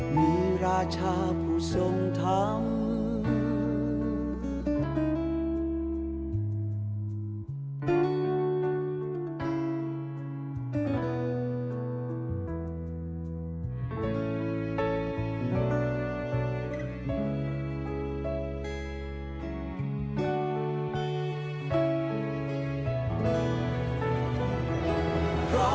มีราชาผู้ทรงทำ